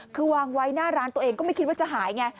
คือวางไว้หน้าร้านตัวเองก็ไม่คิดว่าจะหายไง